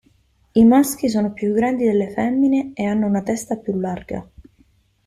I maschi sono più grandi delle femmine e hanno una testa più larga.